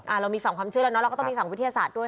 เรามีฝั่งความเชื่อแล้วเนาะเราก็ต้องมีฝั่งวิทยาศาสตร์ด้วย